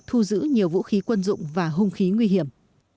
thu giữ nhiều vũ khí quân dụng và hung khí nguy hiểm